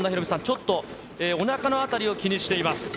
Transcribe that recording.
ちょっとおなかの辺りを気にしています。